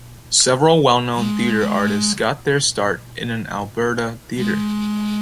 Several well-known theatre artists got their start in an Alberta theatre.